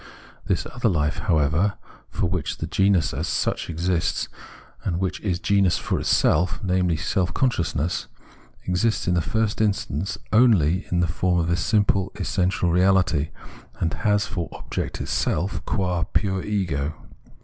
This other life, however, for which the genus as such 172 Phenomenology of Mini exists and which is geniis for itseK, namely, self con sciousness, exists in the first instance only in the form of this simple, essential reahty, and has for object itself qua pure Ego.